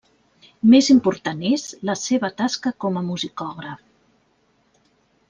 Més important és la seva tasca com a musicògraf.